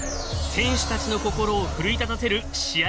選手たちの心を奮い立たせる試合